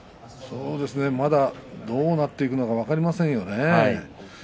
そうですねまだどうなっていくのか分かりませんよね。